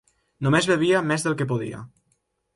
Només bevia més del que podia.